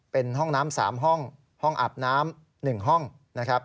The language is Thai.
เป็นห้องน้ำ๓ห้องห้องอาบน้ำ๑ห้องนะครับ